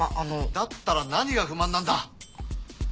だったら何が不満なんだ！